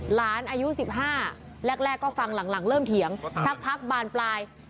อายุ๑๕แรกก็ฟังหลังเริ่มเถียงสักพักบานปลาย